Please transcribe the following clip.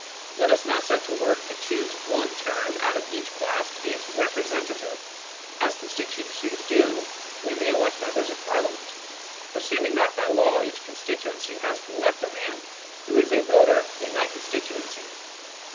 Let us now set to work to choose one term out of each class to be its representative, as constituencies do when they elect members of Parliament, assuming that by law each constituency has to elect a man who is a voter in that constituency.